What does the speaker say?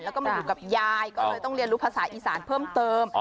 แล้วก็มาอยู่กับยายก็เลยต้องเรียนรู้ภาษาอีสานเพิ่มเติม